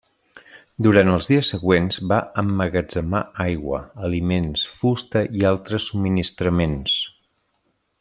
Durant els dies següents va emmagatzemar aigua, aliments, fusta i altres subministraments.